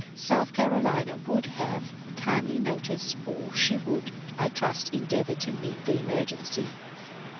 South Carolina would have timely notice, and she would, I trust, endeavor to meet the emergency.